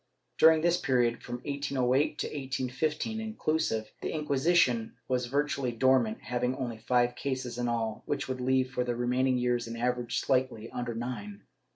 Dur ing this period, from 1808 to 1815, inclusive, the Inquisition was virtually dormant, having only five cases in all, which would leave, for the remaining years, an average slightly under nine.